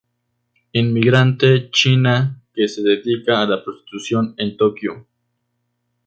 Inmigrante china que se dedica a la prostitución en Tokio.